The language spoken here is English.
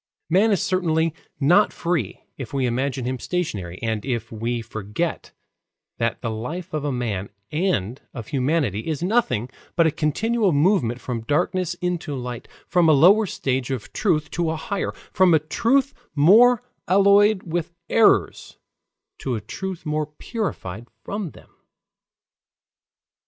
Man is certainly not free if we imagine him stationary, and if we forget that the life of a man and of humanity is nothing but a continual movement from darkness into light, from a lower stage of truth to a higher, from a truth more alloyed with errors to a truth more purified from them.